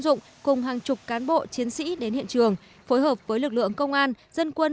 dụng cùng hàng chục cán bộ chiến sĩ đến hiện trường phối hợp với lực lượng công an dân quân